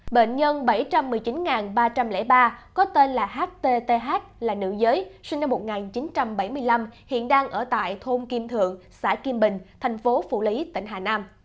bệnh nhân bảy trăm một mươi chín ba trăm linh ba có tên là ht là nữ giới sinh năm một nghìn chín trăm bảy mươi năm hiện đang ở tại thôn kim thượng xã kim bình thành phố phủ lý tỉnh hà nam